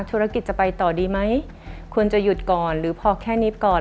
ธุรกิจจะไปต่อดีไหมควรจะหยุดก่อนหรือพอแค่นี้ก่อน